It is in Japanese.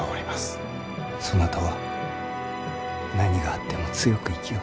そなたは何があっても強く生きよ。